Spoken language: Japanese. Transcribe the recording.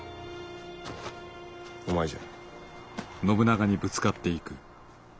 お前じゃ。